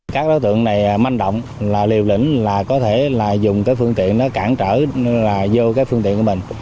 các đối tượng này manh động liều lĩnh là có thể dùng cái phương tiện nó cản trở vô cái phương tiện của mình